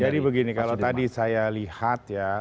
jadi begini kalau tadi saya lihat ya